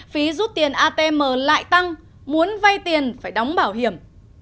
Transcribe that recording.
phí rút tiền atm lại tăng muốn vay tiền phải đóng bảo hiểm